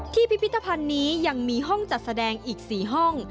พิพิธภัณฑ์นี้ยังมีห้องจัดแสดงอีก๔ห้อง